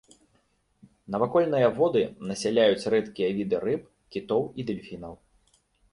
Навакольныя воды насяляюць рэдкія віды рыб, кітоў і дэльфінаў.